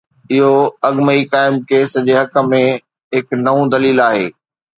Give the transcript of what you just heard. اهو اڳ ۾ ئي قائم ڪيس جي حق ۾ هڪ نئون دليل آهي.